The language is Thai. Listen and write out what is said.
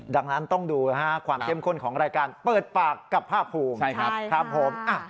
ดังนั้นต้องดูความเข้มข้นของรายการเปิดปากกับภาคภูมิครับผม